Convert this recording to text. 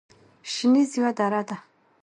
شنیز یوه دره ده